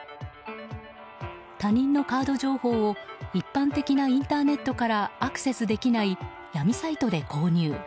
他人のカード情報を一般的なインターネットからアクセスできない闇サイトで購入。